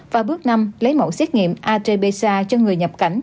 và bước năm lấy mẫu xét nghiệm at bsa cho người nhập cảnh